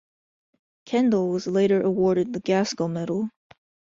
Kendell was later awarded the Gaskell Medal.